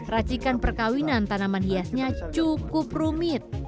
racikan perkawinan tanaman hiasnya cukup rumit